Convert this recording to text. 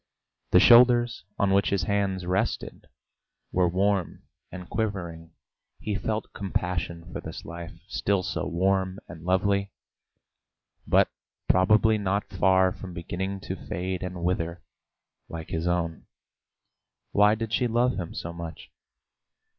The shoulders on which his hands rested were warm and quivering. He felt compassion for this life, still so warm and lovely, but probably already not far from beginning to fade and wither like his own. Why did she love him so much?